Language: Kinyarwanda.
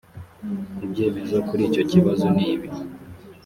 ibyemezo kuri icyo kibazo nibi